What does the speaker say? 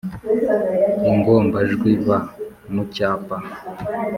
- ingombajwi b mu cyapa,